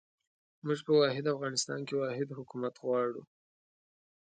موږ په واحد افغانستان کې واحد حکومت غواړو.